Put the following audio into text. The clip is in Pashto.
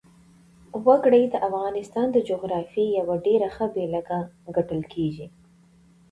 وګړي د افغانستان د جغرافیې یوه ډېره ښه بېلګه ګڼل کېږي.